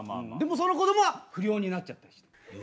でもその子供は不良になっちゃったりして。